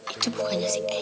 itu bukannya si angel ya